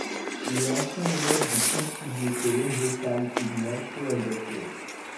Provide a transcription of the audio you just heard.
Il est ancien élève du prestigieux Colegio San Ignacio El Bosque.